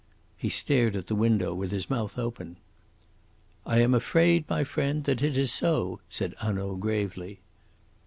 He stared at the window, with his mouth open. "I am afraid, my friend, that is so," said Hanaud gravely.